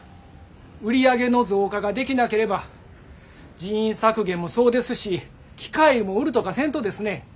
売り上げの増加ができなければ人員削減もそうですし機械も売るとかせんとですね